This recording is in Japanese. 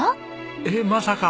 えっまさか！